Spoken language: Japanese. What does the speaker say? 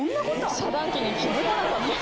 遮断機に気付かなかったと。